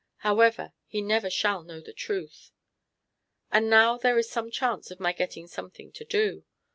However, he never shall know the truth. And now there is some chance of my getting something to do.